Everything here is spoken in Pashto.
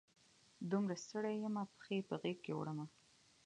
دومره ستړي یمه، پښې په غیږ کې وړمه